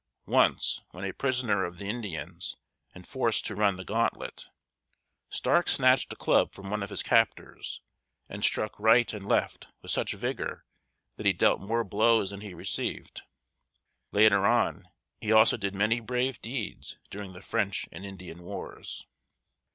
Once, when a prisoner of the Indians, and forced to run the gantlet. Stark snatched a club from one of his captors, and struck right and left with such vigor that he dealt more blows than he received. Later on, he also did many brave deeds during the French and Indian wars.